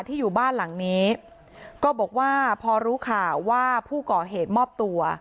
ที่อยู่บ้านหลังนี้ก็บอกว่าพอรู้ข่าวว่าผู้ก่อเหตุมอบตัว